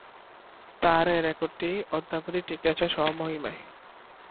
তার এ রেকর্ডটি অদ্যাবধি টিকে রয়েছে স্ব-মহিমায়।